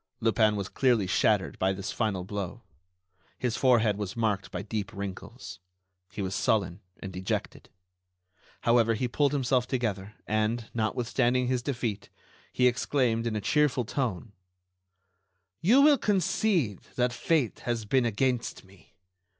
Lupin was clearly shattered by this final blow. His forehead was marked by deep wrinkles. He was sullen and dejected. However, he pulled himself together, and, notwithstanding his defeat, he exclaimed, in a cheerful tone: "You will concede that fate has been against me.